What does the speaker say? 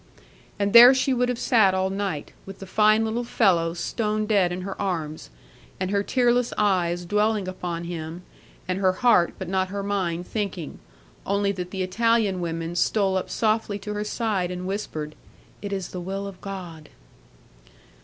And there she would have sat all night, with the fine little fellow stone dead in her arms, and her tearless eyes dwelling upon him, and her heart but not her mind thinking, only that the Italian women stole up softly to her side, and whispered, "It is the will of God."